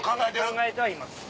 考えてはいます。